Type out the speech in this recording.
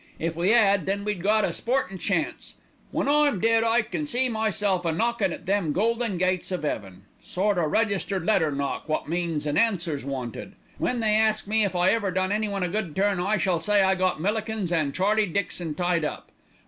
If we 'ad, then we'd got a sportin' chance. When I'm dead I can see myself a knockin' at them golden gates of 'eaven, sort o' registered letter knock wot means an answer's wanted. When they ask me if I ever done anyone a good turn, I shall say I got Millikins an' Charlie Dixon tied up.